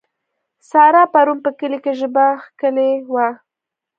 سارا پرون په کلي کې ژبه کښلې وه.